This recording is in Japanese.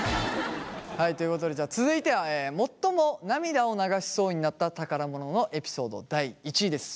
はいということで続いては最も涙を流しそうになった宝物のエピソード第１位です。